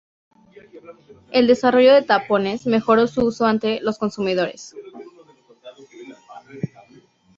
El desarrollo de tapones mejoró su uso ante los consumidores.